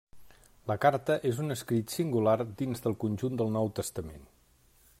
La carta és un escrit singular dins del conjunt del Nou Testament.